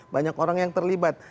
banyak orang yang terlibat